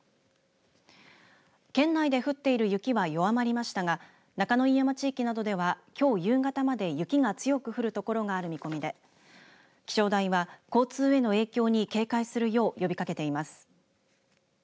県内で降っている雪は弱まりましたが中野飯山地域などではきょう夕方まで雪が強く降る所がある見込みで気象台は、交通への影響に警戒するよう呼びかけています。